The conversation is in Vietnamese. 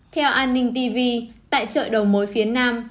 theo an ninh tv tại chợ đầu mối phía nam